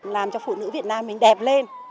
làm cho phụ nữ việt nam mình đẹp lên